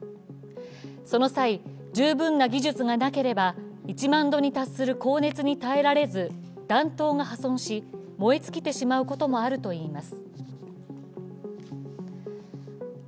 その際、十分な技術がなければ１万度に達する高熱に耐えられず弾頭が破損し、燃え尽きてしまうこともあるといいます。